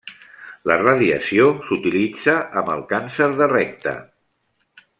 La radiació s'utilitza amb càncer de recte.